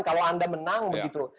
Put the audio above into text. kalau anda menang begitu